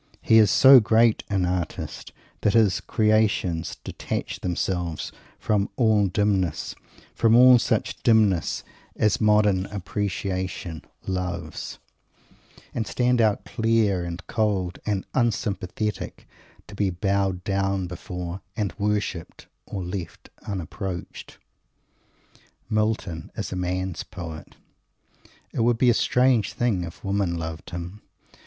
He is so great an artist that his creations detach themselves from all dimness from all such dimness as modern "appreciation" loves and stand out clear and cold and "unsympathetic"; to be bowed down before and worshipped, or left unapproached. Milton is a man's poet. It would be a strange thing if women loved him.